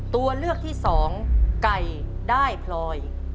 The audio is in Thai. ตัวเลือกที่สองไก่ได้พลอย